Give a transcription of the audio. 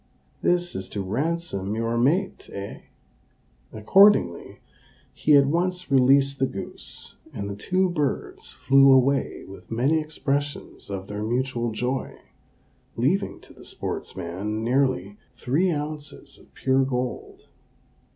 this is to ransom your mate, eh?" Accordingly, he at once released the goose, and the two birds flew away with many expressions of their mutual joy, leaving to the sportsman nearly three ounces of pure gold.